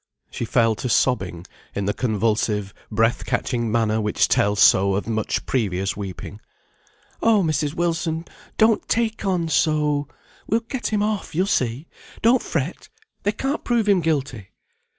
She fell to sobbing, in the convulsive breath catching manner which tells so of much previous weeping. "Oh! Mrs. Wilson, don't take on so! We'll get him off, you'll see. Don't fret; they can't prove him guilty!"